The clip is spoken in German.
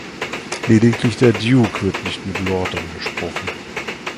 Lediglich der Duke wird nicht mit Lord angesprochen.